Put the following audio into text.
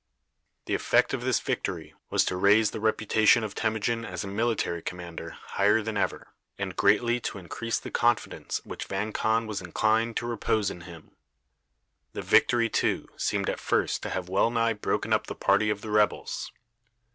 The effect of this victory was to raise the reputation of Temujin as a military commander higher than ever, and greatly to increase the confidence which Vang Khan was inclined to repose in him. The victory, too, seemed at first to have well nigh broken up the party of the rebels.